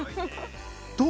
どう？